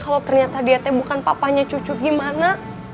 kalo ternyata diatte bukan papahnya cucu gimana